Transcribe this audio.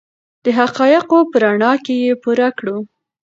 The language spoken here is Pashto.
د حقایقو په رڼا کې یې پوره کړو.